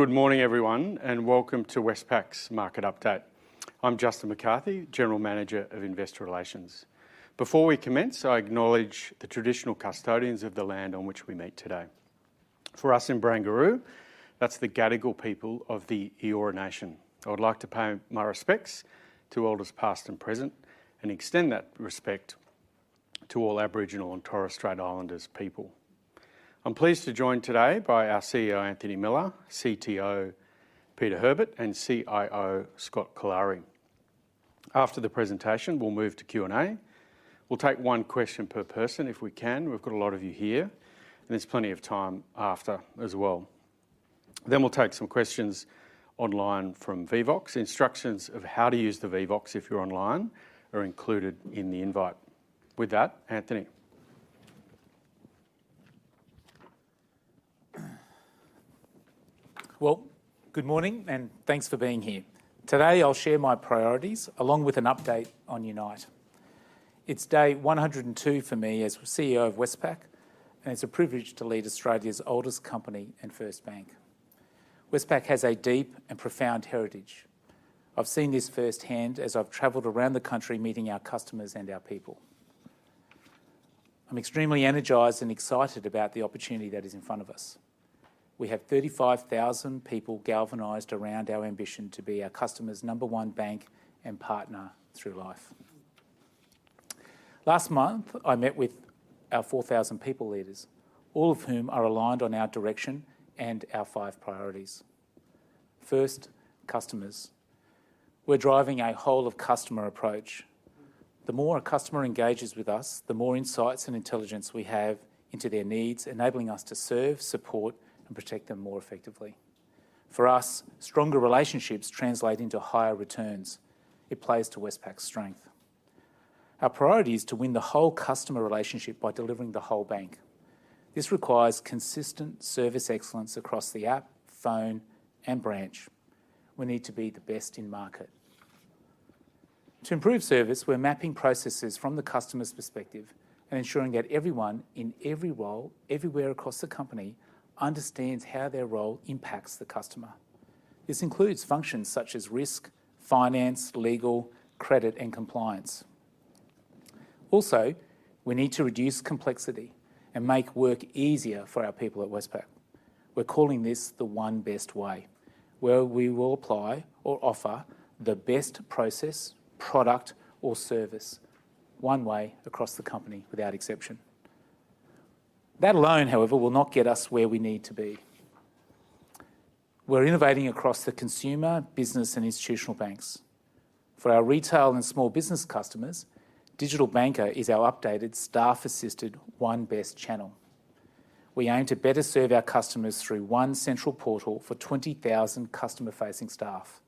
Good morning, everyone, and welcome to Westpac's Market Update. I'm Justin McCarthy, General Manager of Investor Relations. Before we commence, I acknowledge the traditional custodians of the land on which we meet today. For us in Barangaroo, that's the Gadigal people of the Eora Nation. I would like to pay my respects to Elders past and present and extend that respect to all Aboriginal and Torres Strait Islander people. I'm pleased to join today by our CEO, Anthony Miller, CTO, Peter Herbert, and CIO, Scott Collary. After the presentation, we'll move to Q&A. We'll take one question per person if we can. We've got a lot of you here, and there's plenty of time after as well. We'll take some questions online from Vevox. Instructions of how to use the Vevox, if you're online, are included in the invite. With that, Anthony. Good morning, and thanks for being here. Today I'll share my priorities along with an update on Unite. It's day 102 for me as CEO of Westpac, and it's a privilege to lead Australia's oldest company and first bank. Westpac has a deep and profound heritage. I've seen this firsthand as I've travelled around the country meeting our customers and our people. I'm extremely energised and excited about the opportunity that is in front of us. We have 35,000 people galvanised around our ambition to be our customer's number one bank and partner through life. Last month, I met with our 4,000 people leaders, all of whom are aligned on our direction and our five priorities. First, customers. We're driving a whole-of-customer approach. The more a customer engages with us, the more insights and intelligence we have into their needs, enabling us to serve, support, and protect them more effectively. For us, stronger relationships translate into higher returns. It plays to Westpac's strength. Our priority is to win the whole customer relationship by delivering the whole bank. This requires consistent service excellence across the app, phone, and branch. We need to be the best in market. To improve service, we're mapping processes from the customer's perspective and ensuring that everyone in every role, everywhere across the company, understands how their role impacts the customer. This includes functions such as risk, finance, legal, credit, and compliance. Also, we need to reduce complexity and make work easier for our people at Westpac. We're calling this the One Best Way, where we will apply or offer the best process, product, or service one way across the company without exception. That alone, however, will not get us where we need to be. We're innovating across the consumer, business, and institutional banks. For our retail and small business customers, Digital Banker is our updated staff-assisted one-best channel. We aim to better serve our customers through one central portal for 20,000 customer-facing staff.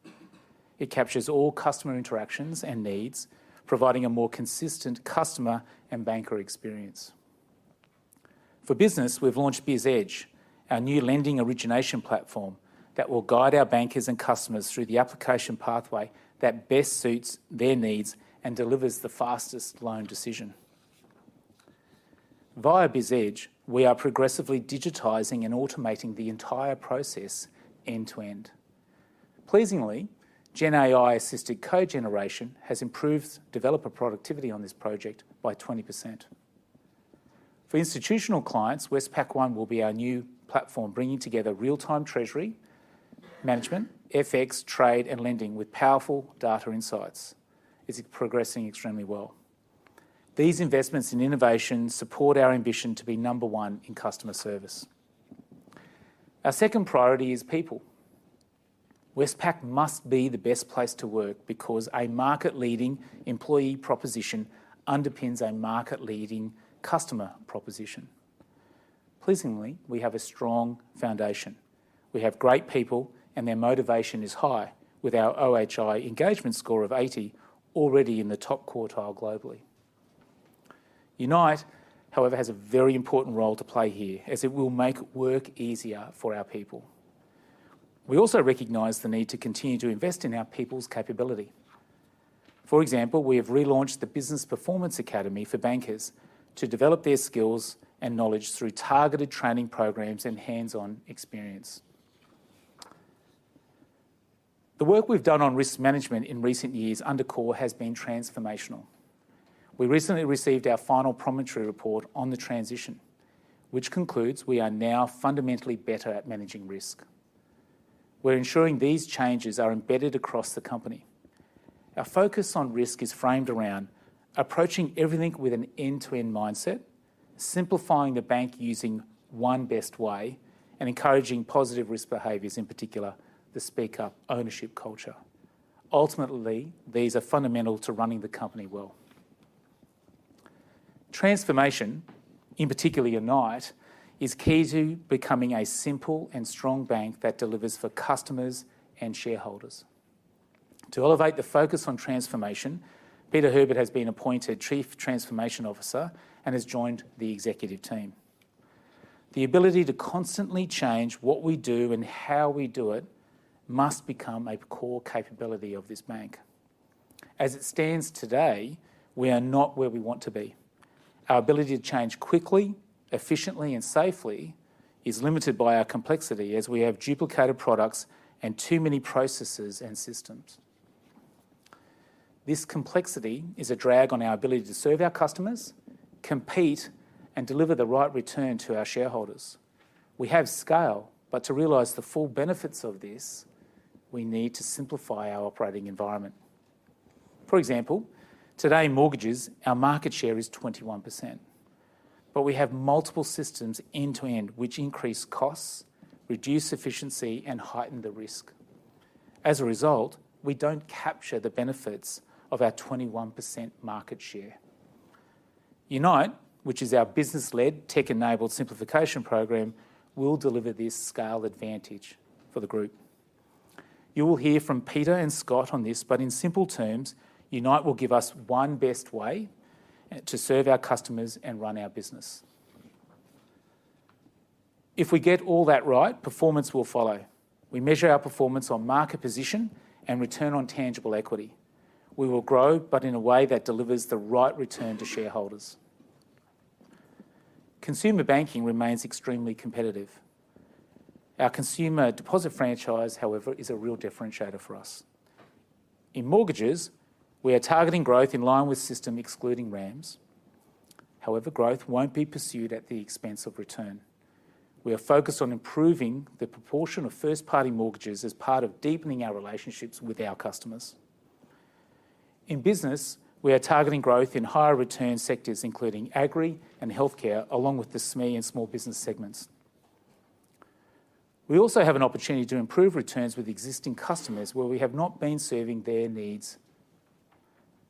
It captures all customer interactions and needs, providing a more consistent customer and banker experience. For business, we've launched BizEdge, our new lending origination platform that will guide our bankers and customers through the application pathway that best suits their needs and delivers the fastest loan decision. Via BizEdge, we are progressively digitising and automating the entire process end to end. Pleasingly, GenAI-assisted code generation has improved developer productivity on this project by 20%. For institutional clients, Westpac One will be our new platform, bringing together real-time treasury management, FX, trade, and lending with powerful data insights. It's progressing extremely well. These investments in innovation support our ambition to be number one in customer service. Our second priority is people. Westpac must be the best place to work because a market-leading employee proposition underpins a market-leading customer proposition. Pleasingly, we have a strong foundation. We have great people, and their motivation is high, with our OHI engagement score of 80 already in the top quartile globally. Unite, however, has a very important role to play here, as it will make work easier for our people. We also recognise the need to continue to invest in our people's capability. For example, we have relaunched the Business Performance Academy for bankers to develop their skills and knowledge through targeted training programs and hands-on experience. The work we've done on risk management in recent years under CORE has been transformational. We recently received our final Promontory report on the transition, which concludes we are now fundamentally better at managing risk. We're ensuring these changes are embedded across the company. Our focus on risk is framed around approaching everything with an end-to-end mindset, simplifying the bank using One Best Way, and encouraging positive risk behaviors, in particular the speak-up ownership culture. Ultimately, these are fundamental to running the company well. Transformation, in particular Unite, is key to becoming a simple and strong bank that delivers for customers and shareholders. To elevate the focus on transformation, Peter Herbert has been appointed Chief Transformation Officer and has joined the executive team. The ability to constantly change what we do and how we do it must become a core capability of this bank. As it stands today, we are not where we want to be. Our ability to change quickly, efficiently, and safely is limited by our complexity, as we have duplicated products and too many processes and systems. This complexity is a drag on our ability to serve our customers, compete, and deliver the right return to our shareholders. We have scale, but to realize the full benefits of this, we need to simplify our operating environment. For example, today in mortgages, our market share is 21%, but we have multiple systems end to end which increase costs, reduce efficiency, and heighten the risk. As a result, we do not capture the benefits of our 21% market share. Unite, which is our business-led, tech-enabled simplification program, will deliver this scale advantage for the group. You will hear from Peter and Scott on this, but in simple terms, Unite will give us One Best Way to serve our customers and run our business. If we get all that right, performance will follow. We measure our performance on market position and return on tangible equity. We will grow, but in a way that delivers the right return to shareholders. Consumer banking remains extremely competitive. Our consumer deposit franchise, however, is a real differentiator for us. In mortgages, we are targeting growth in line with system excluding RAMS. However, growth will not be pursued at the expense of return. We are focused on improving the proportion of first-party mortgages as part of deepening our relationships with our customers. In Business, we are targeting growth in higher return sectors, including agri and healthcare, along with the SME and small business segments. We also have an opportunity to improve returns with existing customers where we have not been serving their needs.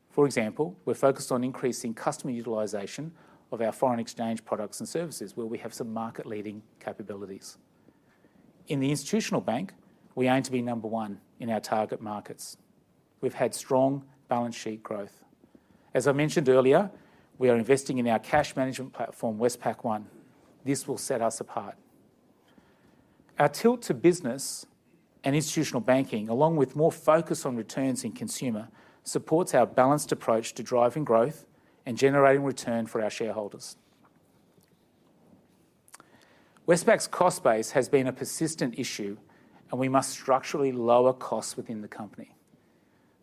For example, we're focused on increasing customer utilisation of our foreign exchange products and services, where we have some market-leading capabilities. In the institutional bank, we aim to be number one in our target markets. We've had strong balance sheet growth. As I mentioned earlier, we are investing in our cash management platform, Westpac One. This will set us apart. Our tilt to business and institutional banking, along with more focus on returns in consumer, supports our balanced approach to driving growth and generating return for our shareholders. Westpac's cost base has been a persistent issue, and we must structurally lower costs within the company.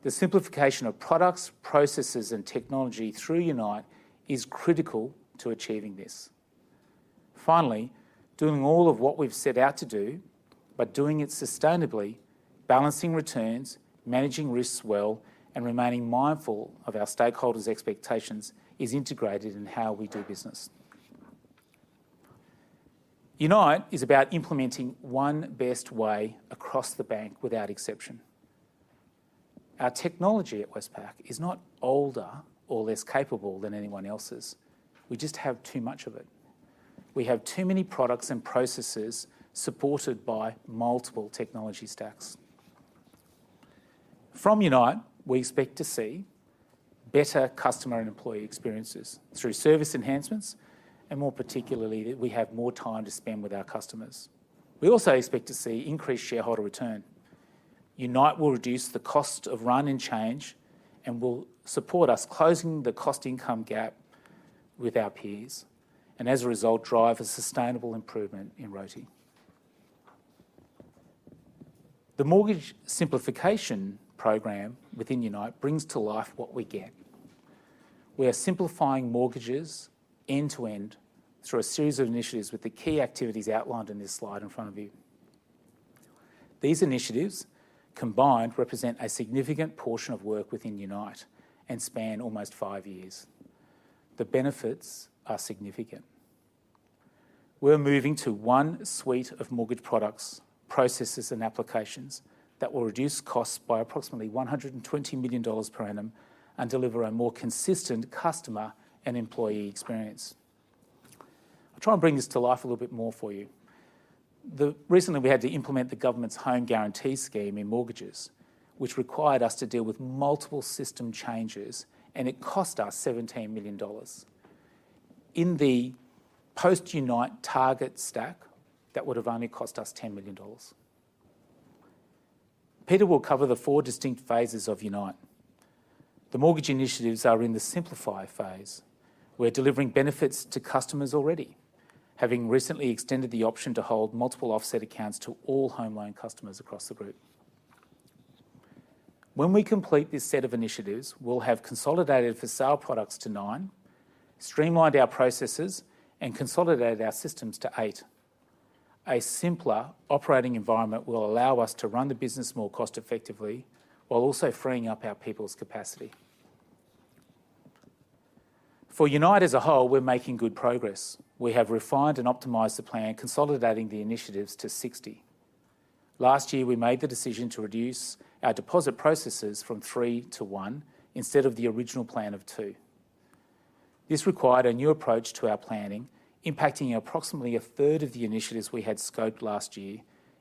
The simplification of products, processes, and technology through Unite is critical to achieving this. Finally, doing all of what we've set out to do, but doing it sustainably, balancing returns, managing risks well, and remaining mindful of our stakeholders' expectations is integrated in how we do business. Unite is about implementing One Best Way across the bank without exception. Our technology at Westpac is not older or less capable than anyone else's. We just have too much of it. We have too many products and processes supported by multiple technology stacks. From Unite, we expect to see better customer and employee experiences through service enhancements, and more particularly, that we have more time to spend with our customers. We also expect to see increased shareholder return. Unite will reduce the cost of run and change and will support us closing the cost-income gap with our peers, and as a result, drive a sustainable improvement in ROTE. The mortgage simplification program within Unite brings to life what we get. We are simplifying mortgages end to end through a series of initiatives with the key activities outlined in this slide in front of you. These initiatives combined represent a significant portion of work within Unite and span almost five years. The benefits are significant. We're moving to one suite of mortgage products, processes, and applications that will reduce costs by approximately $120 million per annum and deliver a more consistent customer and employee experience. I'll try and bring this to life a little bit more for you. Recently, we had to implement the government's Home Guarantee Scheme in mortgages, which required us to deal with multiple system changes, and it cost us $17 million. In the post-Unite target stack, that would have only cost us $10 million. Peter will cover the four distinct phases of Unite. The mortgage initiatives are in the simplify phase. We're delivering benefits to customers already, having recently extended the option to hold multiple offset accounts to all home loan customers across the group. When we complete this set of initiatives, we'll have consolidated for sale products to nine, streamlined our processes, and consolidated our systems to eight. A simpler operating environment will allow us to run the business more cost-effectively while also freeing up our people's capacity. For Unite as a whole, we're making good progress. We have refined and optimized the plan, consolidating the initiatives to 60. Last year, we made the decision to reduce our deposit processes from three to one instead of the original plan of two. This required a new approach to our planning, impacting approximately a third of the initiatives we had scoped last year,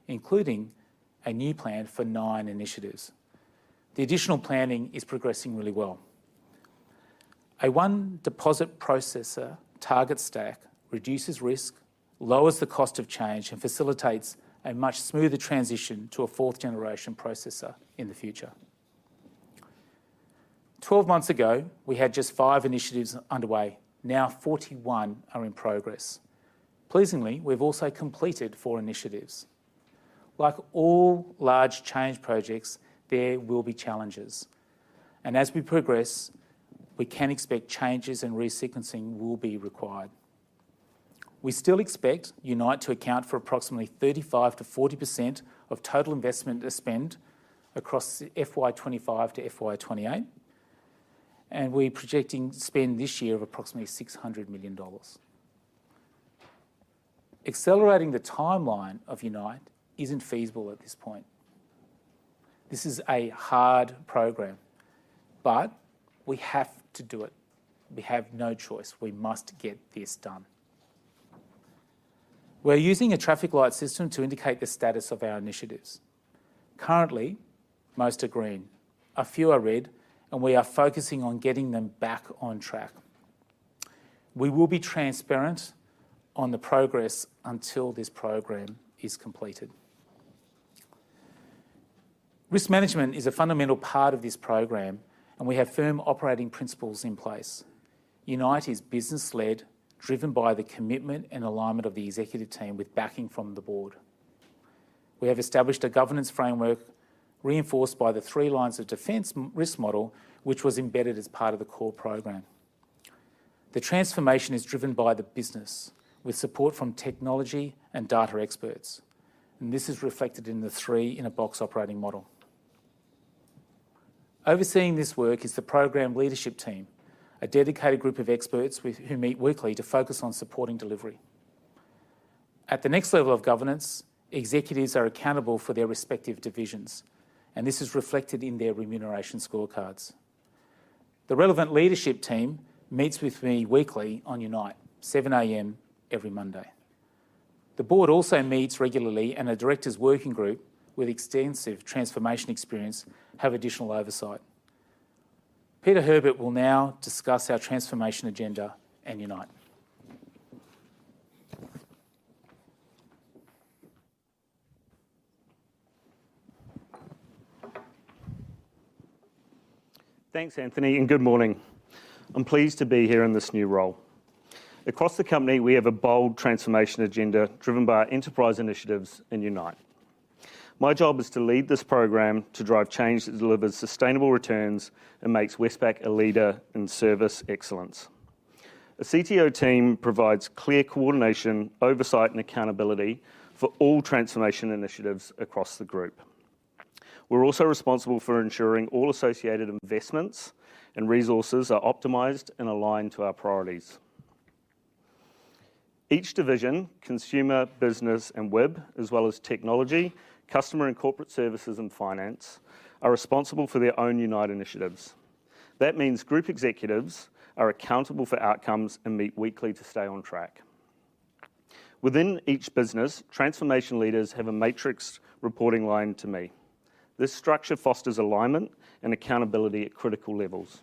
including a new plan for nine initiatives. The additional planning is progressing really well. A one deposit processor target stack reduces risk, lowers the cost of change, and facilitates a much smoother transition to a fourth-generation processor in the future. Twelve months ago, we had just five initiatives underway. Now, 41 are in progress. Pleasingly, we've also completed four initiatives. Like all large change projects, there will be challenges. As we progress, we can expect changes and re-sequencing will be required. We still expect Unite to account for approximately 35%-40% of total investment to spend across FY2025 to FY2028, and we're projecting spend this year of approximately $600 million. Accelerating the timeline of Unite isn't feasible at this point. This is a hard programme, but we have to do it. We have no choice. We must get this done. We're using a traffic light system to indicate the status of our initiatives. Currently, most are green, a few are red, and we are focusing on getting them back on track. We will be transparent on the progress until this programme is completed. Risk management is a fundamental part of this programme, and we have firm operating principles in place. Unite is business-led, driven by the commitment and alignment of the executive team with backing from the board. We have established a governance framework reinforced by the three lines of defence risk model, which was embedded as part of the CORE programme. The transformation is driven by the business with support from technology and data experts, and this is reflected in the three-in-a-box operating model. Overseeing this work is the programme leadership team, a dedicated group of experts who meet weekly to focus on supporting delivery. At the next level of governance, executives are accountable for their respective divisions, and this is reflected in their remuneration scorecards. The relevant leadership team meets with me weekly on Unite, 7:00 A.M. every Monday. The board also meets regularly, and a Directors' Working Group with extensive transformation experience has additional oversight. Peter Herbert will now discuss our transformation agenda and Unite. Thanks, Anthony, and good morning. I'm pleased to be here in this new role. Across the company, we have a bold transformation agenda driven by enterprise initiatives and Unite. My job is to lead this program to drive change that delivers sustainable returns and makes Westpac a leader in service excellence. A CTO team provides clear coordination, oversight, and accountability for all transformation initiatives across the group. We're also responsible for ensuring all associated investments and resources are optimized and aligned to our priorities. Each division, consumer, business, and web, as well as technology, customer and corporate services, and finance are responsible for their own Unite initiatives. That means group executives are accountable for outcomes and meet weekly to stay on track. Within each business, transformation leaders have a matrixed reporting line to me. This structure fosters alignment and accountability at critical levels,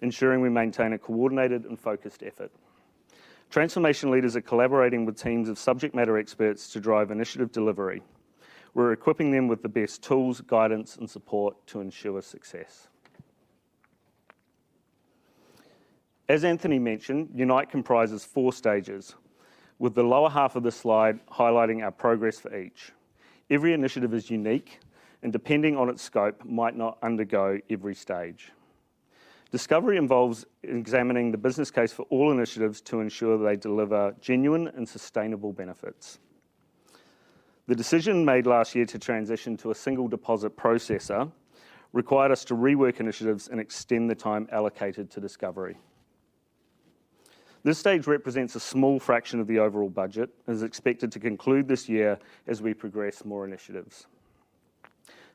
ensuring we maintain a coordinated and focused effort. Transformation leaders are collaborating with teams of subject matter experts to drive initiative delivery. We're equipping them with the best tools, guidance, and support to ensure success. As Anthony mentioned, Unite comprises four stages, with the lower half of the slide highlighting our progress for each. Every initiative is unique, and depending on its scope, might not undergo every stage. Discovery involves examining the business case for all initiatives to ensure they deliver genuine and sustainable benefits. The decision made last year to transition to a single deposit processor required us to rework initiatives and extend the time allocated to discovery. This stage represents a small fraction of the overall budget and is expected to conclude this year as we progress more initiatives.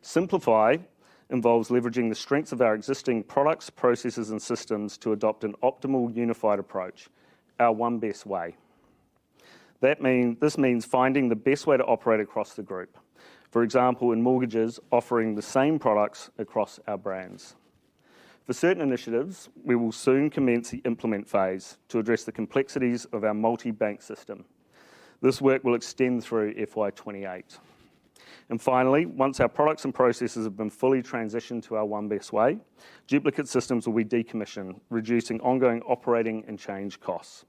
Simplify involves leveraging the strengths of our existing products, processes, and systems to adopt an optimal unified approach, our One Best Way. This means finding the best way to operate across the group. For example, in mortgages, offering the same products across our brands. For certain initiatives, we will soon commence the implement phase to address the complexities of our multi-bank system. This work will extend through FY2028. Finally, once our products and processes have been fully transitioned to our One Best Way, duplicate systems will be decommissioned, reducing ongoing operating and change costs.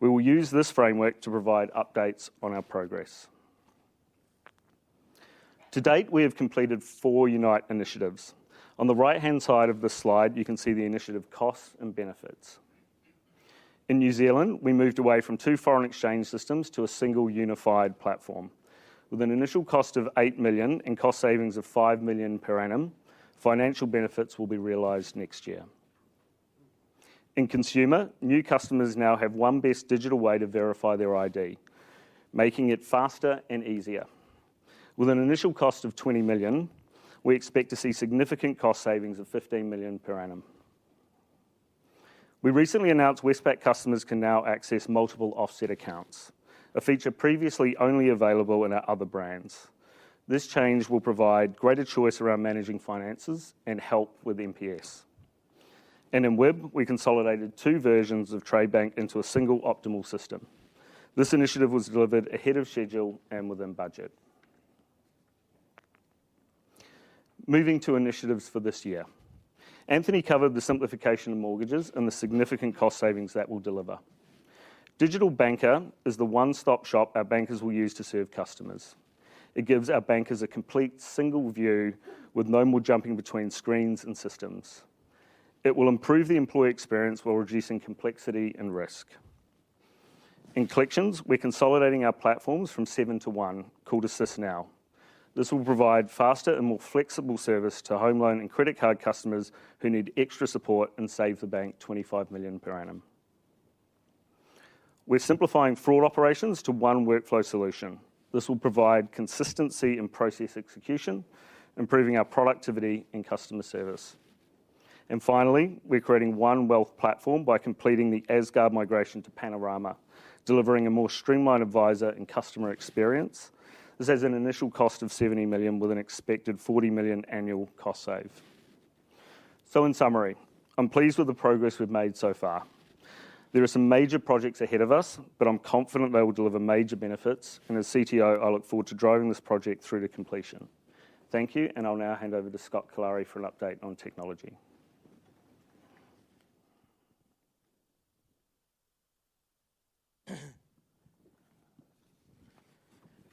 We will use this framework to provide updates on our progress. To date, we have completed four Unite initiatives. On the right-hand side of the slide, you can see the initiative costs and benefits. In New Zealand, we moved away from two foreign exchange systems to a single unified platform. With an initial cost of 8 million and cost savings of 5 million per annum, financial benefits will be realized next year. In consumer, new customers now have one best digital way to verify their ID, making it faster and easier. With an initial cost of 20 million, we expect to see significant cost savings of 15 million per annum. We recently announced Westpac customers can now access multiple offset accounts, a feature previously only available in our other brands. This change will provide greater choice around managing finances and help with NPS. In WIB, we consolidated two versions of Trade Bank into a single optimal system. This initiative was delivered ahead of schedule and within budget. Moving to initiatives for this year, Anthony covered the simplification of mortgages and the significant cost savings that will deliver. Digital Banker is the one-stop shop our bankers will use to serve customers. It gives our bankers a complete single view with no more jumping between screens and systems. It will improve the employee experience while reducing complexity and risk. In collections, we're consolidating our platforms from seven to one, called AssistNow. This will provide faster and more flexible service to home loan and credit card customers who need extra support and save the bank $25 million per annum. We're simplifying fraud operations to one workflow solution. This will provide consistency in process execution, improving our productivity and customer service. Finally, we're creating one wealth platform by completing the Asgard migration to Panorama, delivering a more streamlined advisor and customer experience. This has an initial cost of $70 million with an expected $40 million annual cost save. In summary, I'm pleased with the progress we've made so far. There are some major projects ahead of us, but I'm confident they will deliver major benefits. As CTO, I look forward to driving this project through to completion. Thank you, and I'll now hand over to Scott Collary for an update on technology.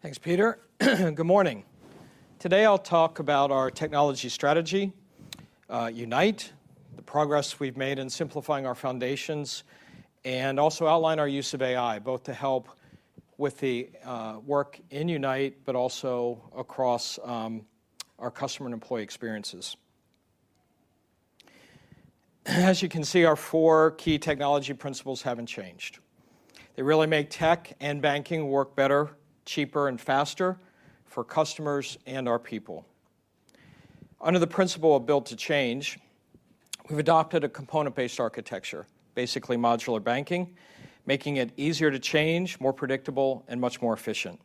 Thanks, Peter. Good morning. Today, I'll talk about our technology strategy, Unite, the progress we've made in simplifying our foundations, and also outline our use of AI, both to help with the work in Unite, but also across our customer and employee experiences. As you can see, our four key technology principles haven't changed. They really make tech and banking work better, cheaper, and faster for customers and our people. Under the principle of build to change, we've adopted a component-based architecture, basically modular banking, making it easier to change, more predictable, and much more efficient.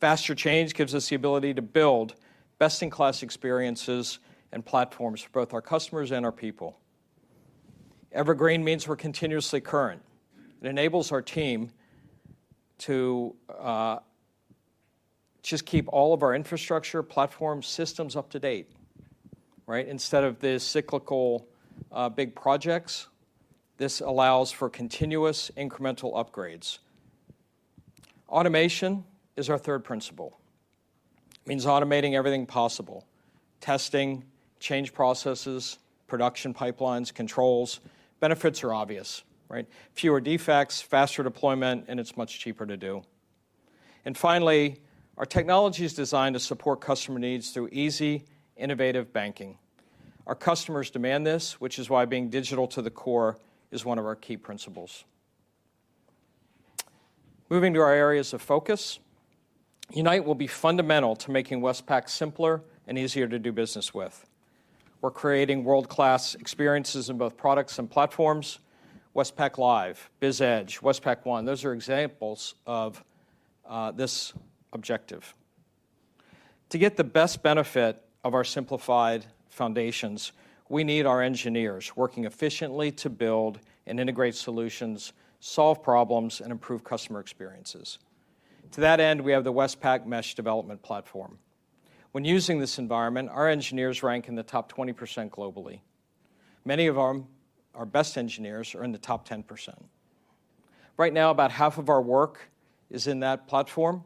Faster change gives us the ability to build best-in-class experiences and platforms for both our customers and our people. Evergreen means we're continuously current. It enables our team to just keep all of our infrastructure, platforms, systems up to date. Instead of these cyclical big projects, this allows for continuous incremental upgrades. Automation is our third principle. It means automating everything possible: testing, change processes, production pipelines, controls. Benefits are obvious. Fewer defects, faster deployment, and it's much cheaper to do. Finally, our technology is designed to support customer needs through easy, innovative banking. Our customers demand this, which is why being digital to the core is one of our key principles. Moving to our areas of focus, Unite will be fundamental to making Westpac simpler and easier to do business with. We're creating world-class experiences in both products and platforms: Westpac Live, BizEdge, Westpac One. Those are examples of this objective. To get the best benefit of our simplified foundations, we need our engineers working efficiently to build and integrate solutions, solve problems, and improve customer experiences. To that end, we have the Westpac Mesh development platform. When using this environment, our engineers rank in the top 20% globally. Many of our best engineers are in the top 10%. Right now, about half of our work is in that platform.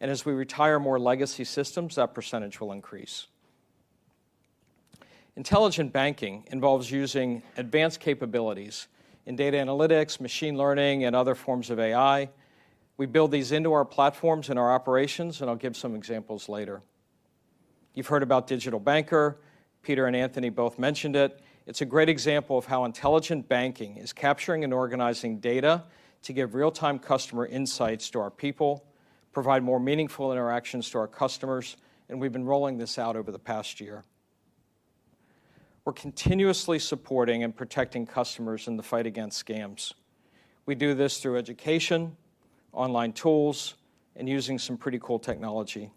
As we retire more legacy systems, that percentage will increase. Intelligent banking involves using advanced capabilities in data analytics, machine learning, and other forms of AI. We build these into our platforms and our operations, and I'll give some examples later. You've heard about Digital Banker. Peter and Anthony both mentioned it. It's a great example of how intelligent banking is capturing and organizing data to give real-time customer insights to our people, provide more meaningful interactions to our customers, and we've been rolling this out over the past year. We're continuously supporting and protecting customers in the fight against scams. We do this through education, online tools, and using some pretty cool technology.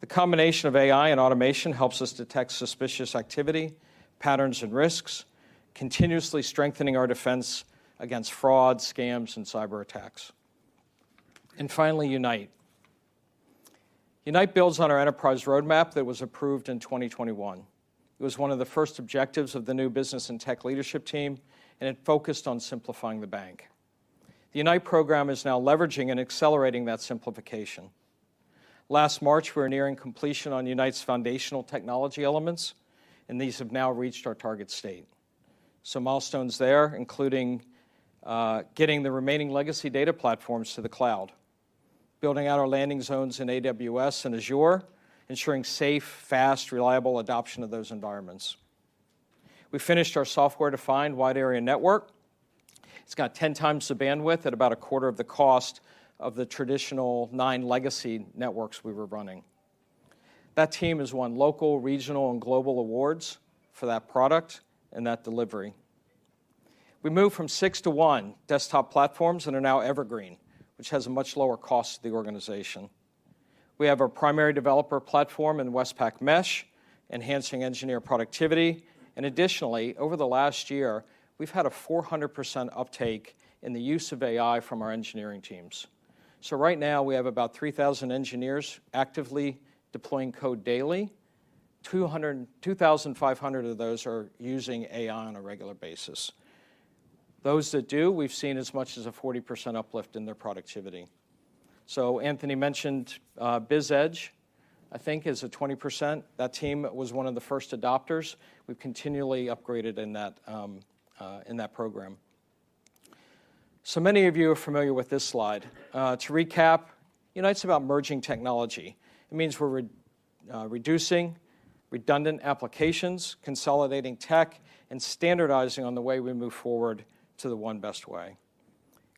The combination of AI and automation helps us detect suspicious activity, patterns, and risks, continuously strengthening our defense against fraud, scams, and cyber attacks. Finally, Unite. Unite builds on our enterprise roadmap that was approved in 2021. It was one of the first objectives of the new business and tech leadership team, and it focused on simplifying the bank. The Unite program is now leveraging and accelerating that simplification. Last March, we were nearing completion on Unite's foundational technology elements, and these have now reached our target state. Some milestones there, including getting the remaining legacy data platforms to the cloud, building out our landing zones in AWS and Azure, ensuring safe, fast, reliable adoption of those environments. We finished our software-defined wide area network. It's got 10 times the bandwidth at about a quarter of the cost of the traditional nine legacy networks we were running. That team has won local, regional, and global awards for that product and that delivery. We moved from six to one desktop platforms and are now evergreen, which has a much lower cost to the organization. We have our primary developer platform in Westpac Mesh, enhancing engineer productivity. Additionally, over the last year, we've had a 400% uptake in the use of AI from our engineering teams. Right now, we have about 3,000 engineers actively deploying code daily. 2,500 of those are using AI on a regular basis. Those that do, we've seen as much as a 40% uplift in their productivity. Anthony mentioned BizEdge, I think, is a 20%. That team was one of the first adopters. We've continually upgraded in that program. Many of you are familiar with this slide. To recap, Unite's about merging technology. It means we're reducing redundant applications, consolidating tech, and standardizing on the way we move forward to the One Best Way.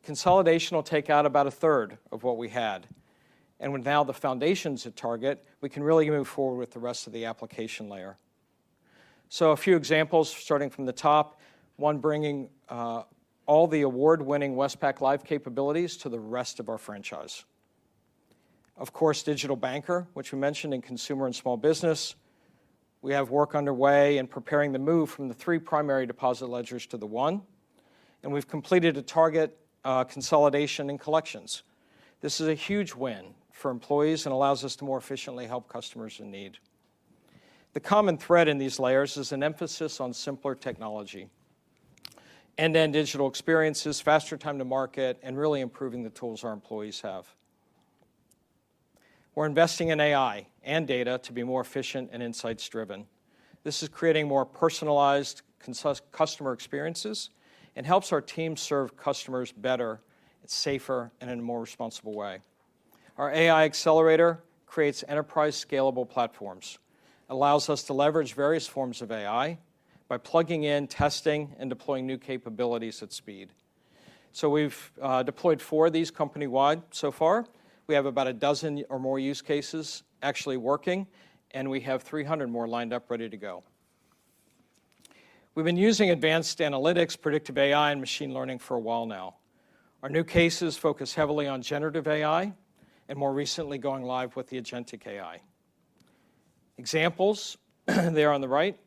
Consolidation will take out about a third of what we had. With now the foundations at target, we can really move forward with the rest of the application layer. A few examples starting from the top, one bringing all the award-winning Westpac Live capabilities to the rest of our franchise. Of course, Digital Banker, which we mentioned in consumer and small business. We have work underway in preparing the move from the three primary deposit ledgers to the one. We have completed a target consolidation in collections. This is a huge win for employees and allows us to more efficiently help customers in need. The common thread in these layers is an emphasis on simpler technology, end-to-end digital experiences, faster time to market, and really improving the tools our employees have. We're investing in AI and data to be more efficient and insights-driven. This is creating more personalised customer experiences and helps our team serve customers better, safer, and in a more responsible way. Our AI accelerator creates enterprise-scalable platforms, allows us to leverage various forms of AI by plugging in, testing, and deploying new capabilities at speed. We have deployed four of these company-wide so far. We have about a dozen or more use cases actually working, and we have 300 more lined up ready to go. We've been using advanced analytics, predictive AI, and machine learning for a while now. Our new cases focus heavily on generative AI and more recently going live with the Agentic AI. Examples, they are on the right,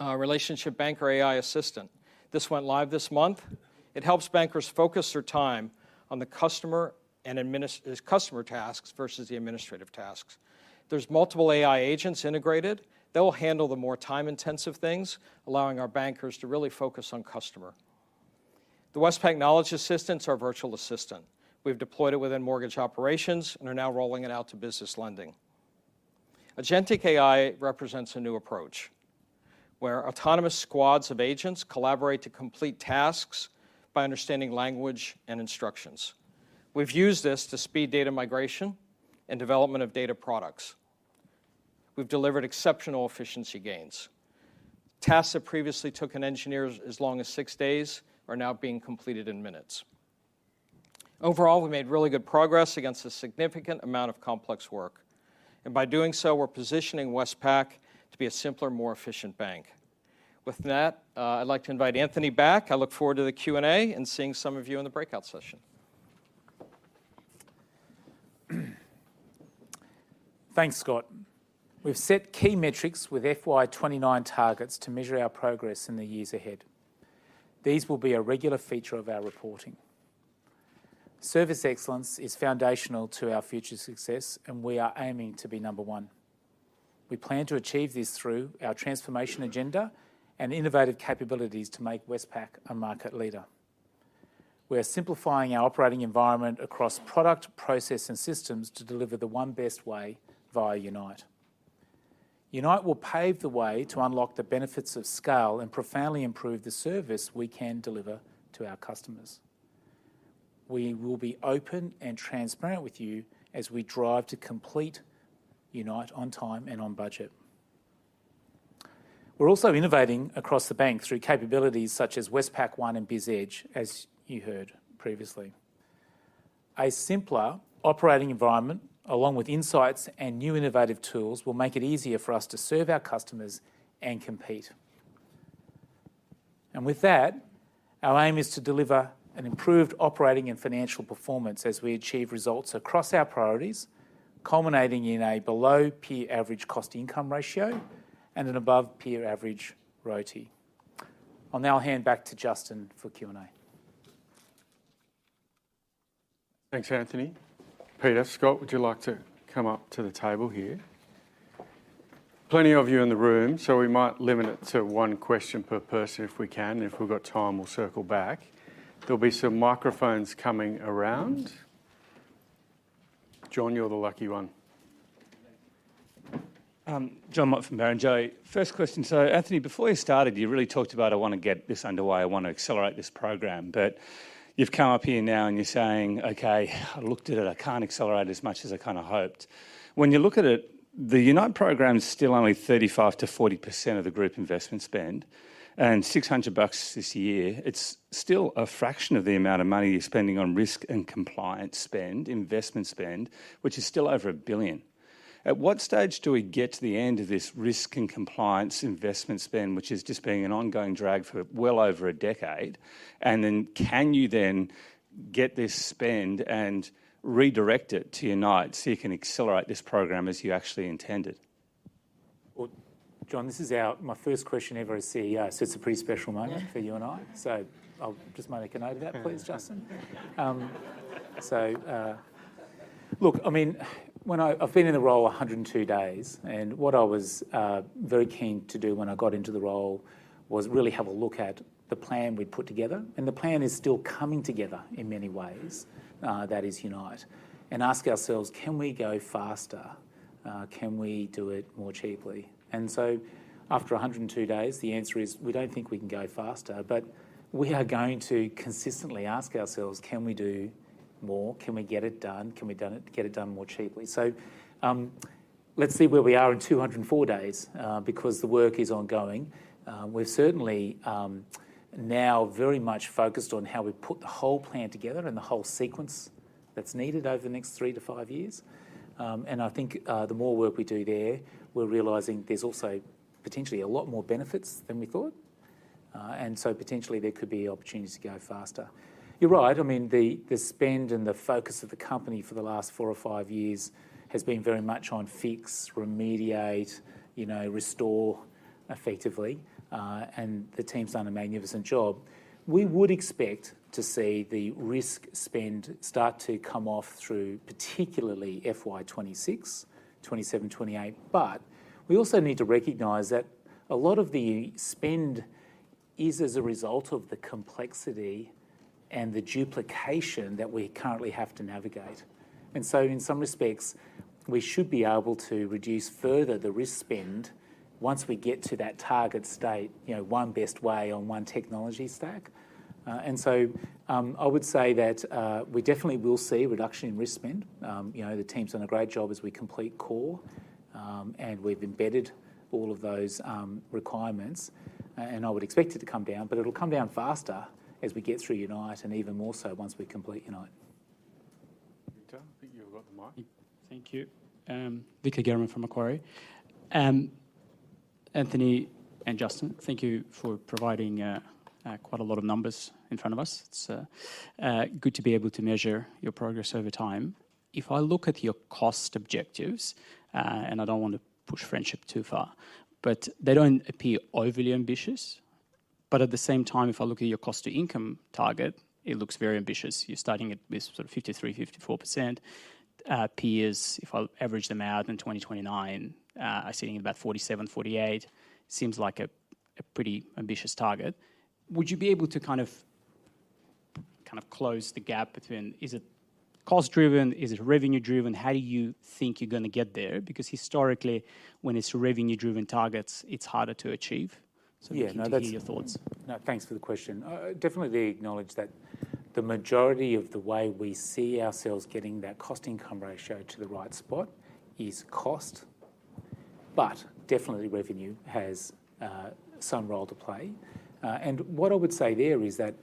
Relationship Banker AI Assistant. This went live this month. It helps bankers focus their time on the customer tasks versus the administrative tasks. There are multiple AI agents integrated. They'll handle the more time-intensive things, allowing our bankers to really focus on customer. The Westpac Knowledge Assistant is our virtual assistant. We've deployed it within mortgage operations and are now rolling it out to business lending. Agentic AI represents a new approach where autonomous squads of agents collaborate to complete tasks by understanding language and instructions. We've used this to speed data migration and development of data products. We've delivered exceptional efficiency gains. Tasks that previously took an engineer as long as six days are now being completed in minutes. Overall, we made really good progress against a significant amount of complex work. By doing so, we're positioning Westpac to be a simpler, more efficient bank. With that, I'd like to invite Anthony back. I look forward to the Q&A and seeing some of you in the breakout session. Thanks, Scott. We've set key metrics with FY2029 targets to measure our progress in the years ahead. These will be a regular feature of our reporting. Service excellence is foundational to our future success, and we are aiming to be number one. We plan to achieve this through our transformation agenda and innovative capabilities to make Westpac a market leader. We are simplifying our operating environment across product, process, and systems to deliver the One Best Way via Unite. Unite will pave the way to unlock the benefits of scale and profoundly improve the service we can deliver to our customers. We will be open and transparent with you as we drive to complete Unite on time and on budget. We're also innovating across the bank through capabilities such as Westpac One and BizEdge, as you heard previously. A simpler operating environment, along with insights and new innovative tools, will make it easier for us to serve our customers and compete. Our aim is to deliver an improved operating and financial performance as we achieve results across our priorities, culminating in a below peer-average cost-income ratio and an above peer-average ROTE. I'll now hand back to Justin for Q&A. Thanks, Anthony. Peter, Scott, would you like to come up to the table here? Plenty of you in the room, so we might limit it to one question per person if we can. If we've got time, we'll circle back. There'll be some microphones coming around. John, you're the lucky one. John Mott, Barrenjoey. First question. Anthony, before you started, you really talked about, "I want to get this underway. I want to accelerate this programme." You've come up here now and you're saying, "Okay, I looked at it. I can't accelerate as much as I kind of hoped." When you look at it, the Unite programme's still only 35%-40% of the group investment spend and $600 this year. It's still a fraction of the amount of money you're spending on risk and compliance spend, investment spend, which is still over $1 billion. At what stage do we get to the end of this risk and compliance investment spend, which is just being an ongoing drag for well over a decade? Can you then get this spend and redirect it to Unite so you can accelerate this programme as you actually intended? John, this is my first question ever as CEO, so it's a pretty special moment for you and I. I'll just make a note of that, please, Justin. I mean, I've been in the role 102 days, and what I was very keen to do when I got into the role was really have a look at the plan we'd put together. The plan is still coming together in many ways, that is Unite, and ask ourselves, "Can we go faster? Can we do it more cheaply?" After 102 days, the answer is we do not think we can go faster, but we are going to consistently ask ourselves, "Can we do more? Can we get it done? Can we get it done more cheaply?" Let's see where we are in 204 days because the work is ongoing. We are certainly now very much focused on how we put the whole plan together and the whole sequence that is needed over the next three to five years. I think the more work we do there, we are realizing there are also potentially a lot more benefits than we thought. Potentially there could be opportunities to go faster. You are right. I mean, the spend and the focus of the company for the last four or five years has been very much on fix, remediate, restore effectively. The team's done a magnificent job. We would expect to see the risk spend start to come off through particularly FY 2026, 2027, 2028. We also need to recognize that a lot of the spend is as a result of the complexity and the duplication that we currently have to navigate. In some respects, we should be able to reduce further the risk spend once we get to that target state, One Best Way on one technology stack. I would say that we definitely will see a reduction in risk spend. The team's done a great job as we complete CORE, and we've embedded all of those requirements. I would expect it to come down, but it'll come down faster as we get through Unite and even more so once we complete Unite. Victor, I think you've got the mic. Thank you. Victor German from Macquarie. Anthony and Justin, thank you for providing quite a lot of numbers in front of us. It's good to be able to measure your progress over time. If I look at your cost objectives, and I don't want to push friendship too far, but they don't appear overly ambitious. At the same time, if I look at your cost-to-income target, it looks very ambitious. You're starting at this sort of 53%-54%. Peers, if I average them out in 2029, are sitting at about 47%-48%. Seems like a pretty ambitious target. Would you be able to kind of close the gap between is it cost-driven, is it revenue-driven? How do you think you're going to get there? Because historically, when it's revenue-driven targets, it's harder to achieve. Could you give me your thoughts? No, thanks for the question. Definitely acknowledge that the majority of the way we see ourselves getting that cost-income ratio to the right spot is cost. Definitely revenue has some role to play. What I would say there is that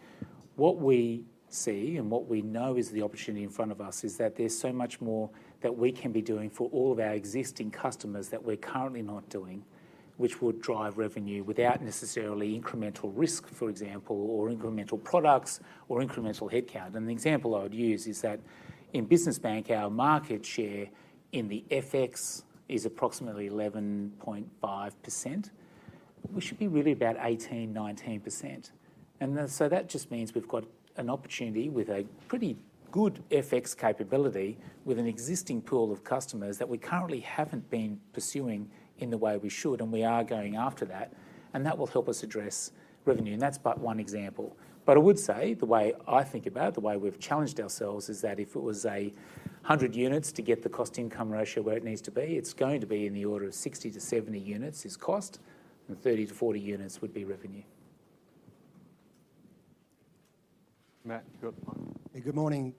what we see and what we know is the opportunity in front of us is that there's so much more that we can be doing for all of our existing customers that we're currently not doing, which would drive revenue without necessarily incremental risk, for example, or incremental products or incremental headcount. The example I would use is that in business bank, our market share in the FX is approximately 11.5%. We should be really about 18%-19%. That just means we've got an opportunity with a pretty good FX capability with an existing pool of customers that we currently haven't been pursuing in the way we should, and we are going after that. That will help us address revenue. That's but one example. I would say the way I think about it, the way we've challenged ourselves is that if it was 100 units to get the cost-income ratio where it needs to be, it's going to be in the order of 60-70 units is cost, and 30-40 units would be revenue. Matt, you've got the mic. Good morning.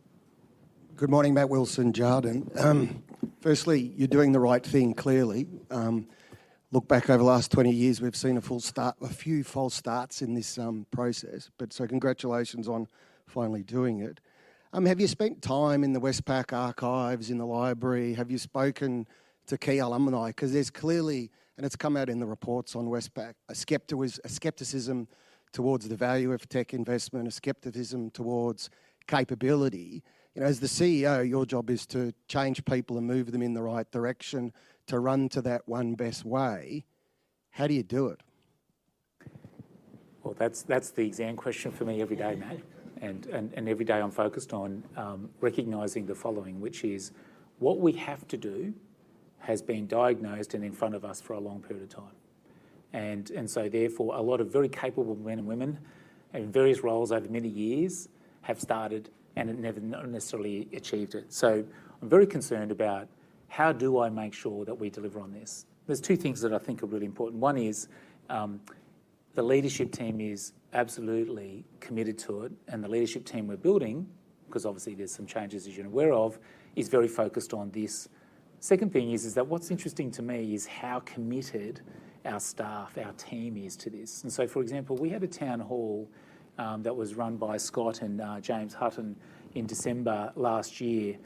Good morning, Matt Wilson, Jarden. Firstly, you're doing the right thing clearly. Look back over the last 20 years, we've seen a few false starts in this process. Congratulations on finally doing it. Have you spent time in the Westpac archives, in the library? Have you spoken to key alumni? Because there's clearly, and it's come out in the reports on Westpac, a scepticism towards the value of tech investment, a scepticism towards capability. As the CEO, your job is to change people and move them in the right direction to run to that One Best Way. How do you do it? That is the exam question for me every day, Matt. Every day I'm focused on recognizing the following, which is what we have to do has been diagnosed and in front of us for a long period of time. Therefore, a lot of very capable men and women in various roles over many years have started and have never necessarily achieved it. I am very concerned about how do I make sure that we deliver on this? are two things that I think are really important. One is the leadership team is absolutely committed to it, and the leadership team we are building, because obviously there are some changes as you are aware of, is very focused on this. The second thing is that what is interesting to me is how committed our staff, our team is to this. For example, we had a town hall that was run by Scott Collary and James Hutton in December last year,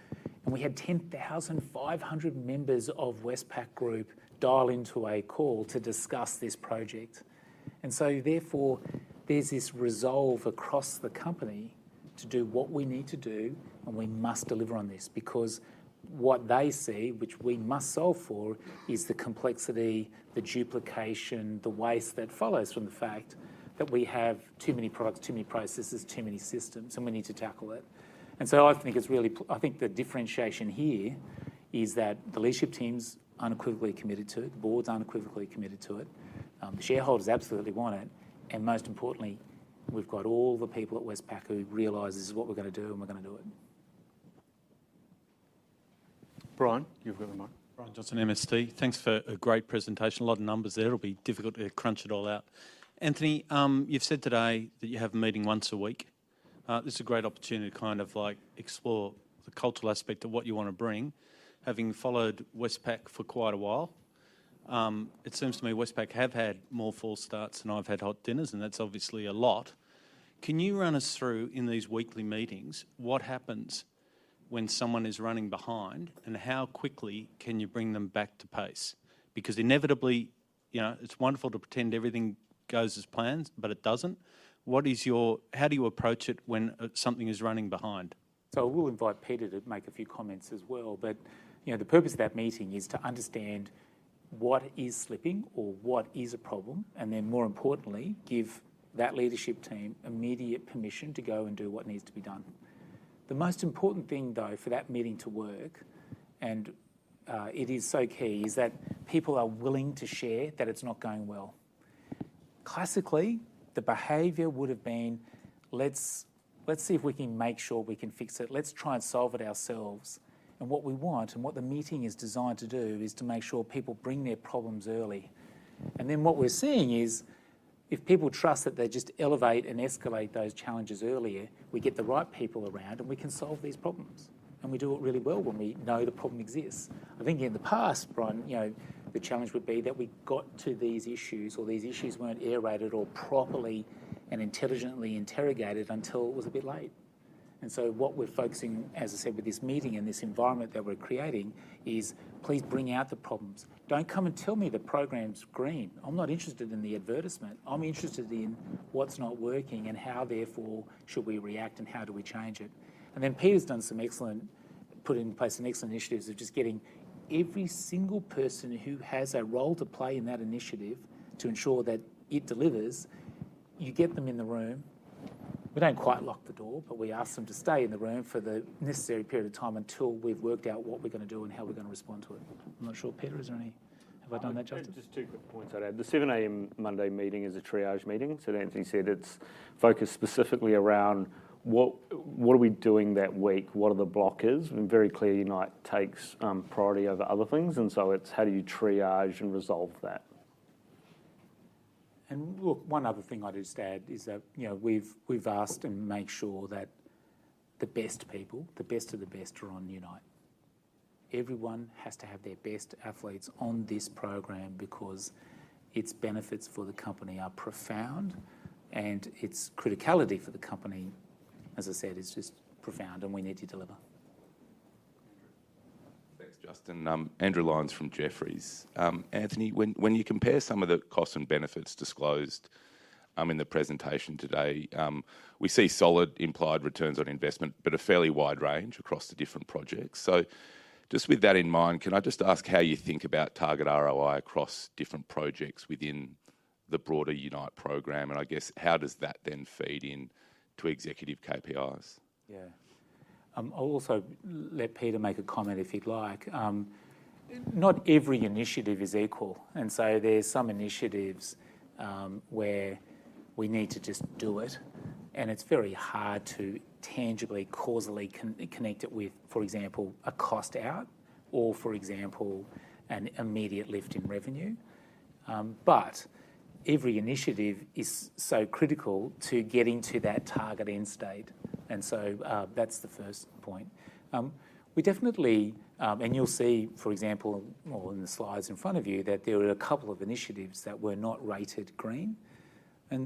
and we had 10,500 members of Westpac Group dial into a call to discuss this project. Therefore, there's this resolve across the company to do what we need to do, and we must deliver on this because what they see, which we must solve for, is the complexity, the duplication, the waste that follows from the fact that we have too many products, too many processes, too many systems, and we need to tackle it. I think it's really, I think the differentiation here is that the leadership team's unequivocally committed to it. The board's unequivocally committed to it. The shareholders absolutely want it. Most importantly, we've got all the people at Westpac who realize this is what we're going to do, and we're going to do it. Brian, you've got the mic. Brian Johnson, MST. Thanks for a great presentation. A lot of numbers there. It'll be difficult to crunch it all out. Anthony, you've said today that you have a meeting once a week. This is a great opportunity to kind of explore the cultural aspect of what you want to bring. Having followed Westpac for quite a while, it seems to me Westpac have had more false starts than I've had hot dinners, and that's obviously a lot. Can you run us through in these weekly meetings what happens when someone is running behind, and how quickly can you bring them back to pace? Because inevitably, it's wonderful to pretend everything goes as planned, but it doesn't. How do you approach it when something is running behind? We will invite Peter to make a few comments as well. The purpose of that meeting is to understand what is slipping or what is a problem, and then more importantly, give that leadership team immediate permission to go and do what needs to be done. The most important thing, though, for that meeting to work, and it is so key, is that people are willing to share that it's not going well. Classically, the behavior would have been, "Let's see if we can make sure we can fix it. Let's try and solve it ourselves." What we want and what the meeting is designed to do is to make sure people bring their problems early. What we're seeing is if people trust that they just elevate and escalate those challenges earlier, we get the right people around, and we can solve these problems. We do it really well when we know the problem exists. I think in the past, Brian, the challenge would be that we got to these issues or these issues were not aerated or properly and intelligently interrogated until it was a bit late. What we are focusing, as I said, with this meeting and this environment that we are creating is, please bring out the problems. Do not come and tell me the program is green. I am not interested in the advertisement. I am interested in what is not working and how, therefore, should we react and how do we change it. Peter has done some excellent, put in place some excellent initiatives of just getting every single person who has a role to play in that initiative to ensure that it delivers. You get them in the room. We don't quite lock the door, but we ask them to stay in the room for the necessary period of time until we've worked out what we're going to do and how we're going to respond to it. I'm not sure, Peter, is there any have I done that, Justin? Just two quick points I'd add. The 7:00 A.M. Monday meeting is a triage meeting. Anthony said it's focused specifically around what are we doing that week, what are the blockers. Very clearly, Unite takes priority over other things. It is how do you triage and resolve that? One other thing I'd just add is that we've asked to make sure that the best people, the best of the best, are on Unite. Everyone has to have their best athletes on this programme because its benefits for the company are profound, and its criticality for the company, as I said, is just profound, and we need to deliver. Andrew? Thanks, Justin. Andrew Lyons from Jefferies. Anthony, when you compare some of the costs and benefits disclosed in the presentation today, we see solid implied returns on investment, but a fairly wide range across the different projects. Just with that in mind, can I just ask how you think about target ROI across different projects within the broader Unite programme? I guess how does that then feed into executive KPIs? Yeah. I'll also let Peter make a comment if he'd like. Not every initiative is equal. There are some initiatives where we need to just do it. It is very hard to tangibly, causally connect it with, for example, a cost out or, for example, an immediate lift in revenue. Every initiative is so critical to getting to that target end state. That is the first point. You will see, for example, in the slides in front of you, that there were a couple of initiatives that were not rated green.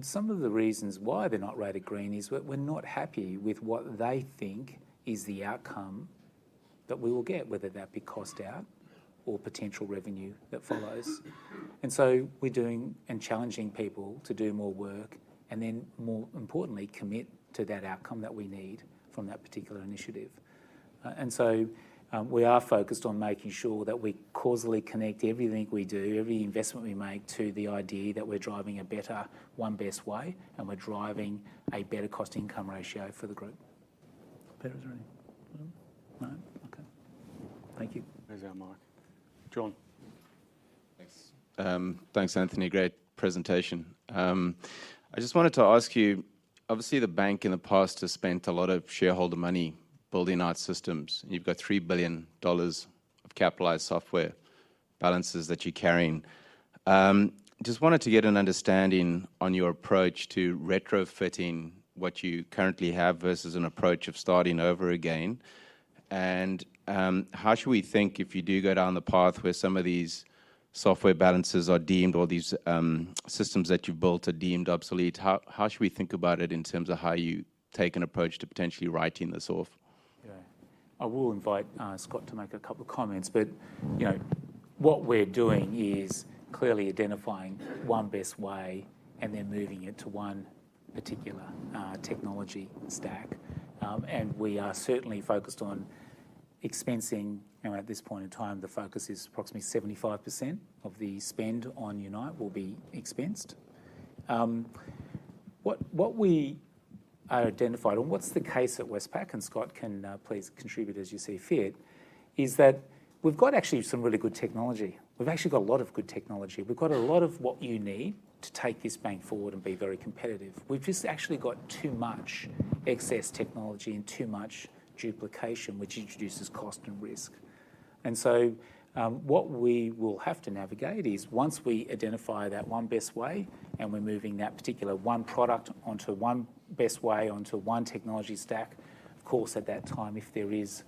Some of the reasons why they are not rated green is that we are not happy with what they think is the outcome that we will get, whether that be cost out or potential revenue that follows. We are doing and challenging people to do more work and then, more importantly, commit to that outcome that we need from that particular initiative. We are focused on making sure that we causally connect everything we do, every investment we make, to the idea that we're driving a better One Best Way and we're driving a better cost-income ratio for the group. Peter's ready. No? Okay. Thank you. There's our mic. John? Thanks. Thanks, Anthony. Great presentation. I just wanted to ask you, obviously, the bank in the past has spent a lot of shareholder money building out systems. You've got $3 billion of capitalised software balances that you're carrying. Just wanted to get an understanding on your approach to retrofitting what you currently have versus an approach of starting over again. How should we think if you do go down the path where some of these software balances are deemed or these systems that you've built are deemed obsolete? How should we think about it in terms of how you take an approach to potentially writing this off? Yeah. I will invite Scott to make a couple of comments. What we're doing is clearly identifying One Best Way and then moving it to one particular technology stack. We are certainly focused on expensing. At this point in time, the focus is approximately 75% of the spend on Unite will be expensed. What we identified and what's the case at Westpac, and Scott can please contribute as you see fit, is that we've got actually some really good technology. We've actually got a lot of good technology. We've got a lot of what you need to take this bank forward and be very competitive. We've just actually got too much excess technology and too much duplication, which introduces cost and risk. What we will have to navigate is once we identify that One Best Way and we're moving that particular one product onto One Best Way onto one technology stack, of course, at that time, if there is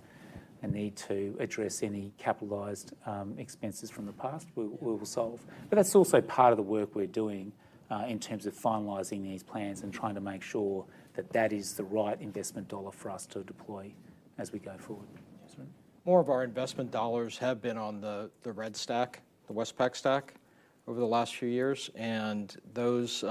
a need to address any capitalized expenses from the past, we will solve. That is also part of the work we're doing in terms of finalizing these plans and trying to make sure that is the right investment dollar for us to deploy as we go forward. More of our investment dollars have been on the red stack, the Westpac stack, over the last few years. Those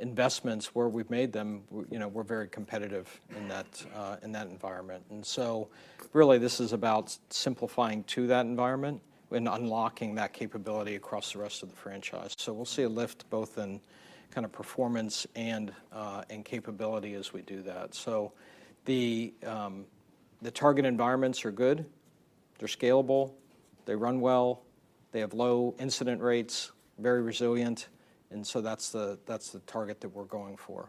investments, where we've made them, were very competitive in that environment. This is about simplifying to that environment and unlocking that capability across the rest of the franchise. We'll see a lift both in kind of performance and capability as we do that. The target environments are good. They're scalable. They run well. They have low incident rates, very resilient. That's the target that we're going for.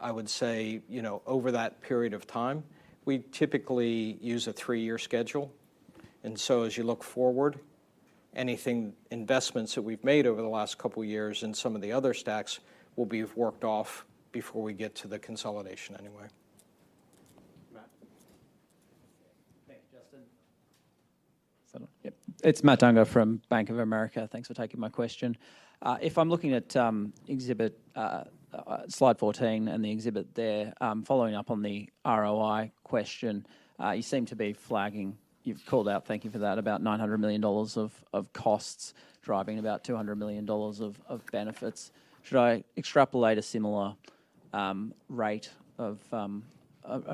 I would say over that period of time, we typically use a three-year schedule. As you look forward, any investments that we've made over the last couple of years in some of the other stacks will be worked off before we get to the consolidation anyway. Matt? Thank you, Justin. It's Matt Koder from Bank of America. Thanks for taking my question. If I'm looking at slide 14 and the exhibit there, following up on the ROI question, you seem to be flagging, you've called out, thank you for that, about $900 million of costs driving about $200 million of benefits. Should I extrapolate a similar rate of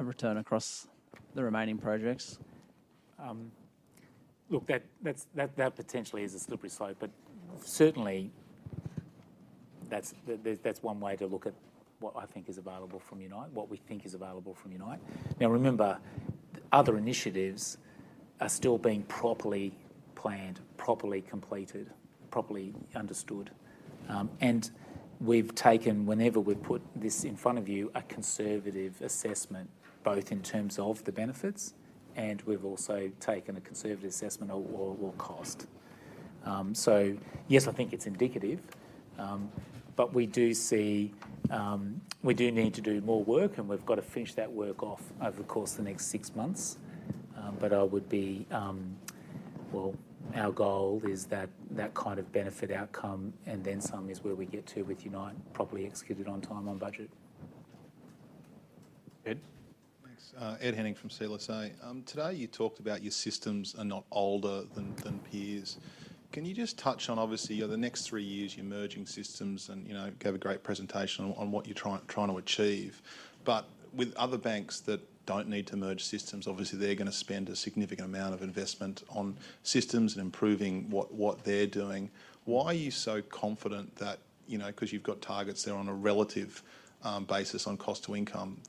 return across the remaining projects? Look, that potentially is a slippery slope. But certainly, that's one way to look at what I think is available from Unite, what we think is available from Unite. Now, remember, other initiatives are still being properly planned, properly completed, properly understood. We've taken, whenever we've put this in front of you, a conservative assessment, both in terms of the benefits, and we've also taken a conservative assessment or cost. Yes, I think it's indicative. We do see we do need to do more work, and we've got to finish that work off over the course of the next six months. I would be, our goal is that that kind of benefit outcome and then some is where we get to with Unite properly executed on time on budget. Ed? Thanks. Ed Henning from CLSA. Today, you talked about your systems are not older than peers. Can you just touch on, obviously, over the next three years, you're merging systems and gave a great presentation on what you're trying to achieve. With other banks that do not need to merge systems, obviously, they're going to spend a significant amount of investment on systems and improving what they're doing. Why are you so confident that because you've got targets there on a relative basis on cost to income,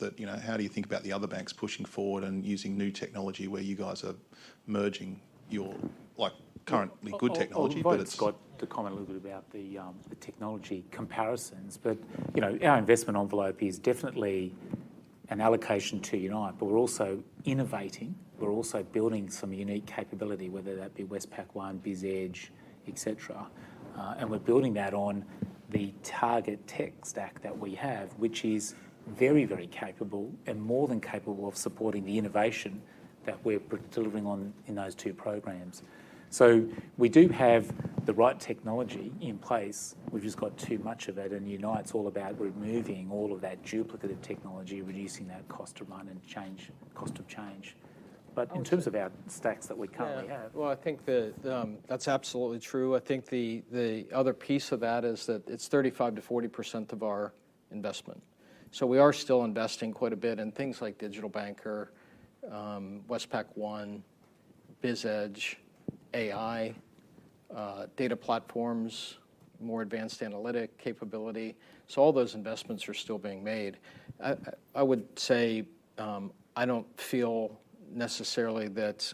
how do you think about the other banks pushing forward and using new technology where you guys are merging your currently good technology? I've got the comment a little bit about the technology comparisons. Our investment envelope is definitely an allocation to Unite, but we're also innovating. We're also building some unique capability, whether that be Westpac One, BizEdge, etc. We are building that on the target tech stack that we have, which is very, very capable and more than capable of supporting the innovation that we are delivering on in those two programs. We do have the right technology in place. We have just got too much of it. Unite is all about removing all of that duplicative technology, reducing that cost to run and cost of change. In terms of our stacks that we currently have. I think that is absolutely true. I think the other piece of that is that it is 35%-40% of our investment. We are still investing quite a bit in things like Digital Banker, Westpac One, BizEdge, AI, data platforms, more advanced analytic capability. All those investments are still being made. I would say I don't feel necessarily that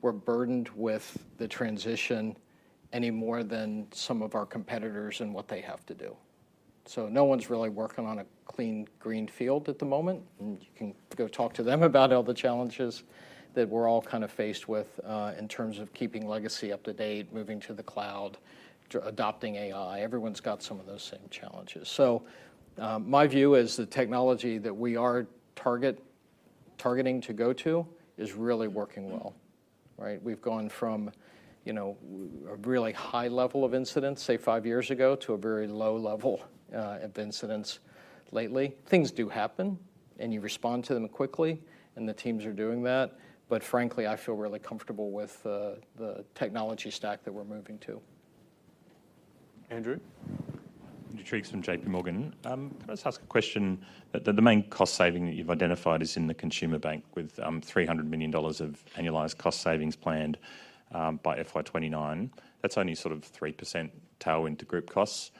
we're burdened with the transition any more than some of our competitors and what they have to do. No one's really working on a clean greenfield at the moment. You can go talk to them about all the challenges that we're all kind of faced with in terms of keeping legacy up to date, moving to the cloud, adopting AI. Everyone's got some of those same challenges. My view is the technology that we are targeting to go to is really working well. We've gone from a really high level of incidents, say, five years ago, to a very low level of incidents lately. Things do happen, and you respond to them quickly, and the teams are doing that. Frankly, I feel really comfortable with the technology stack that we're moving to. Andrew? Andrew Triggs from J.P. Morgan. Can I just ask a question? The main cost saving that you've identified is in the consumer bank with $300 million of annualized cost savings planned by FY2029. That's only sort of 3% tailwind to group costs.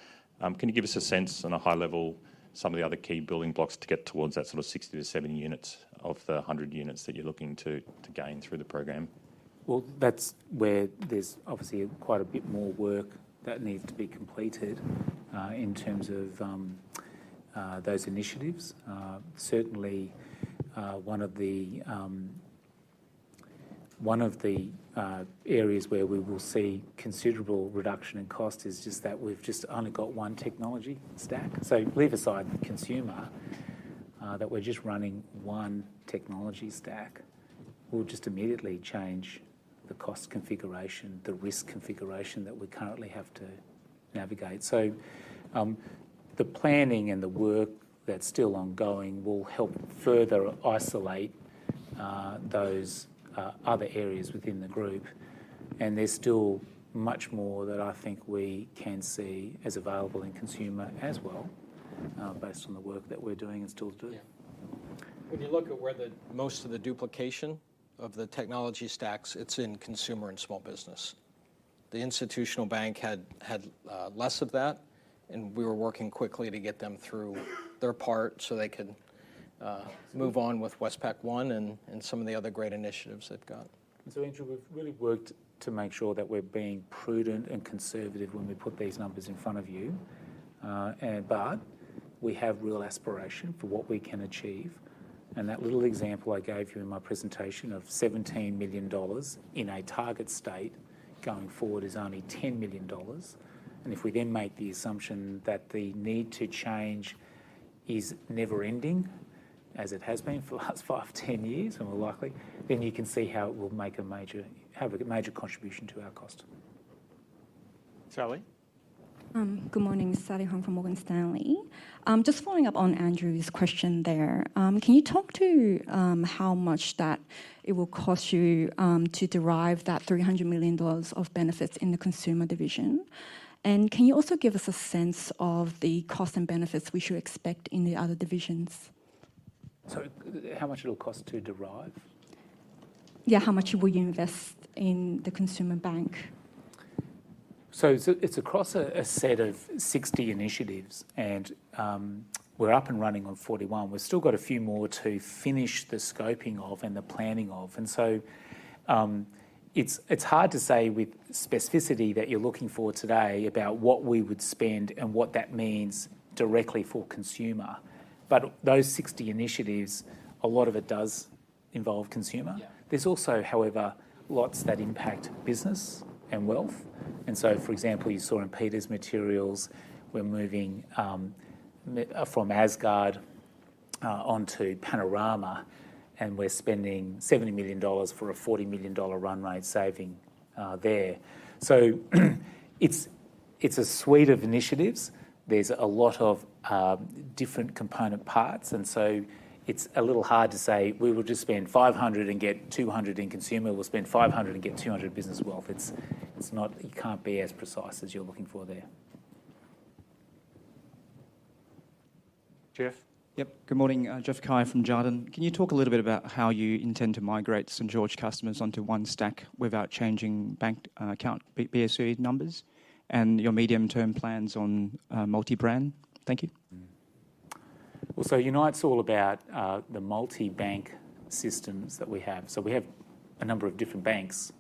Can you give us a sense on a high level some of the other key building blocks to get towards that sort of 60-70 units of the 100 units that you're looking to gain through the program? That is where there's obviously quite a bit more work that needs to be completed in terms of those initiatives. Certainly, one of the areas where we will see considerable reduction in cost is just that we've just only got one technology stack. Leave aside the consumer, that we're just running one technology stack will just immediately change the cost configuration, the risk configuration that we currently have to navigate. The planning and the work that's still ongoing will help further isolate those other areas within the group. There's still much more that I think we can see as available in consumer as well, based on the work that we're doing and still doing. When you look at where most of the duplication of the technology stacks, it's in consumer and small business. The institutional bank had less of that, and we were working quickly to get them through their part so they could move on with Westpac One and some of the other great initiatives they've got. Andrew, we have really worked to make sure that we are being prudent and conservative when we put these numbers in front of you. We have real aspiration for what we can achieve. That little example I gave you in my presentation of $17 million in a target state going forward is only $10 million. If we then make the assumption that the need to change is never-ending, as it has been for the last 5-10 years, and we are likely, you can see how it will have a major contribution to our cost. Sally? Good morning. Sally Hong from Morgan Stanley. Just following up on Andrew's question there, can you talk to how much it will cost you to derive that $300 million of benefits in the consumer division? Can you also give us a sense of the cost and benefits we should expect in the other divisions? How much will it cost to derive? Yeah, how much will you invest in the consumer bank? It is across a set of 60 initiatives, and we are up and running on 41. We have still got a few more to finish the scoping of and the planning of. It is hard to say with the specificity that you are looking for today about what we would spend and what that means directly for consumer. Those 60 initiatives, a lot of it does involve consumer. There is also, however, lots that impact business and wealth. For example, you saw in Peter's materials, we are moving from Asgard onto Panorama, and we are spending 70 million dollars for an 40 million dollar run rate saving there. It is a suite of initiatives. There's a lot of different component parts. And so it's a little hard to say, "We will just spend $500 and get $200 in consumer. We'll spend $500 and get $200 business wealth." You can't be as precise as you're looking for there. Jeff? Yep. Good morning. Jeff Cai from Jarden. Can you talk a little bit about how you intend to migrate St. George customers onto one stack without changing bank account BSB numbers and your medium-term plans on multi-brand? Thank you. Unite's all about the multi-bank systems that we have. We have a number of different banks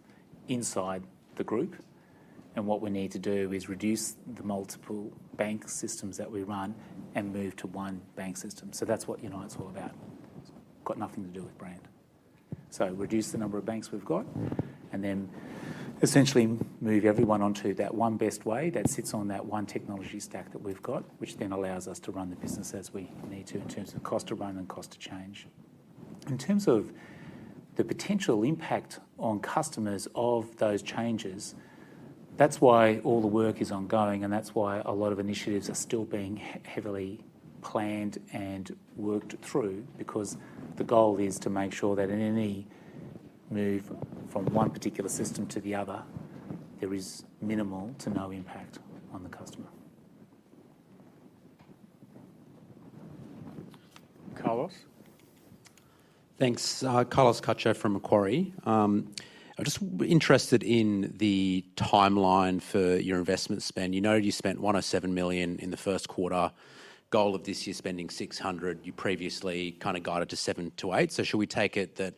inside the group. What we need to do is reduce the multiple bank systems that we run and move to one bank system. That's what Unite's all about. It's got nothing to do with brand. Reduce the number of banks we've got and then essentially move everyone onto that One Best Way that sits on that one technology stack that we've got, which then allows us to run the business as we need to in terms of cost to run and cost to change. In terms of the potential impact on customers of those changes, that's why all the work is ongoing, and that's why a lot of initiatives are still being heavily planned and worked through, because the goal is to make sure that in any move from one particular system to the other, there is minimal to no impact on the customer. Carlos? Thanks. Carlos Cacho from Macquarie. I'm just interested in the timeline for your investment spend. You know you spent $107 million in the first quarter, goal of this year spending $600 million. You previously kind of guided to $700 million-$800 million. Should we take it that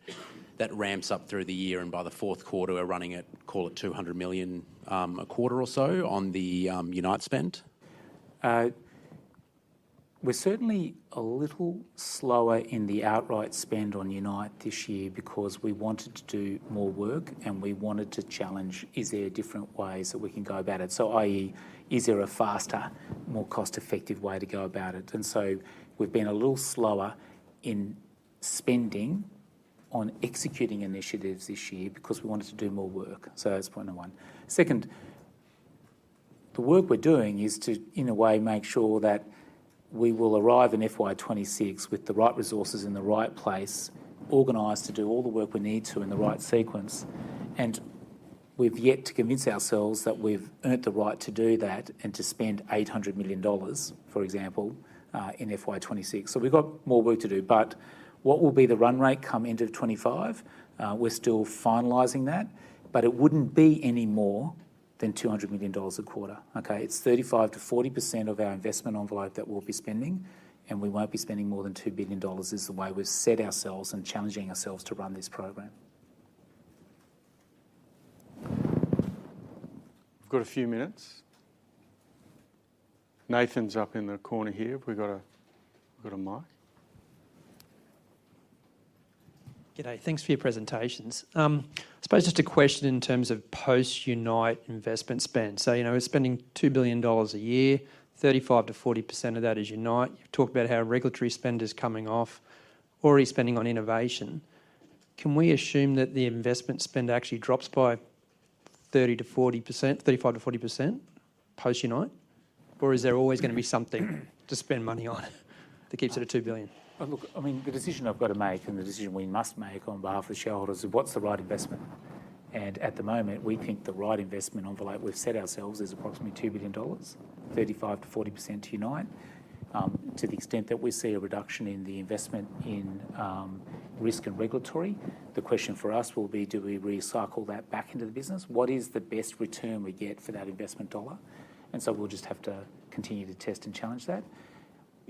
that ramps up through the year and by the fourth quarter, we're running at, call it $200 million a quarter or so on the Unite spend? We're certainly a little slower in the outright spend on Unite this year because we wanted to do more work, and we wanted to challenge, is there different ways that we can go about it? I.e., is there a faster, more cost-effective way to go about it? We've been a little slower in spending on executing initiatives this year because we wanted to do more work. That's point number one. Second, the work we're doing is to, in a way, make sure that we will arrive in FY2026 with the right resources in the right place, organized to do all the work we need to in the right sequence. We've yet to convince ourselves that we've earned the right to do that and to spend $800 million, for example, in FY2026. We've got more work to do. What will be the run rate come end of 2025? We're still finalizing that, but it wouldn't be any more than $200 million a quarter. It's 35%-40% of our investment envelope that we'll be spending, and we won't be spending more than $2 billion is the way we've set ourselves and challenging ourselves to run this program. We've got a few minutes. Nathan's up in the corner here. We've got a mic. Good day. Thanks for your presentations. I suppose just a question in terms of Post-Unite investment spend. We are spending $2 billion a year. 35%-40% of that is Unite. You talked about how regulatory spend is coming off, already spending on innovation. Can we assume that the investment spend actually drops by 35%-40% Post-Unite? Or is there always going to be something to spend money on that keeps it at $2 billion? Look, I mean, the decision I have got to make and the decision we must make on behalf of the shareholders is what is the right investment? At the moment, we think the right investment envelope we have set ourselves is approximately $2 billion, 35%-40% to Unite, to the extent that we see a reduction in the investment in risk and regulatory. The question for us will be, do we recycle that back into the business? What is the best return we get for that investment dollar?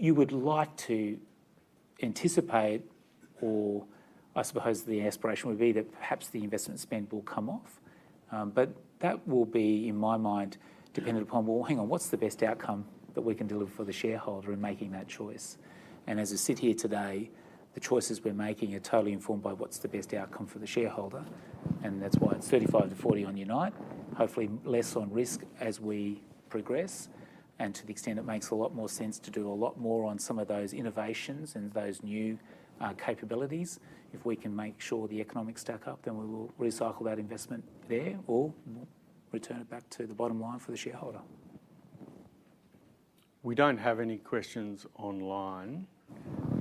You would like to anticipate or I suppose the aspiration would be that perhaps the investment spend will come off. That will be, in my mind, dependent upon, hang on, what's the best outcome that we can deliver for the shareholder in making that choice? As we sit here today, the choices we're making are totally informed by what's the best outcome for the shareholder. That's why it's 35%-40% on Unite, hopefully less on risk as we progress, and to the extent it makes a lot more sense to do a lot more on some of those innovations and those new capabilities. If we can make sure the economics stack up, then we will recycle that investment there or return it back to the bottom line for the shareholder. We do not have any questions online.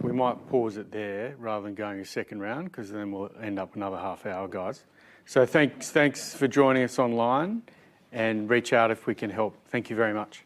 We might pause it there rather than going a second round, because we will end up another half hour, guys. Thanks for joining us online, and reach out if we can help. Thank you very much.